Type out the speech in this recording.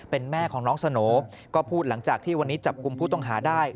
เป็นแม่ของน้องสโหน่ก็พูดหลังจากที่วันนี้จับกลุ่มผู้ต้องหาได้